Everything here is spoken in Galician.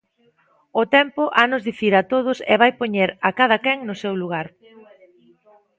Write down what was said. O tempo hanos dicir a todos e vai poñer a cadaquén no seu lugar.